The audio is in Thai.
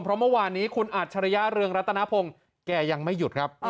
เพราะเมื่อวานนี้คุณอัจฉริยะเรืองรัตนพงศ์แกยังไม่หยุดครับ